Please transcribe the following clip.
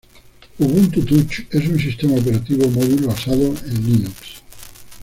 Ubuntu Touch es un sistema operativo móvil basado en Linux.